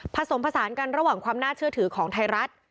ผสมผสานกันระหว่างความน่าเชื่อถือของไทยรัฐ